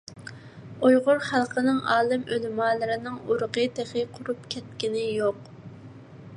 ئۇيغۇر خەلقىنىڭ ئالىم - ئۆلىمالىرىنىڭ ئۇرۇقى تېخى قۇرۇپ كەتكىنى يوق.